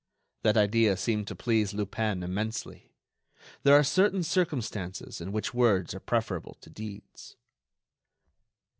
That idea seemed to please Lupin immensely. There are certain circumstances in which words are preferable to deeds.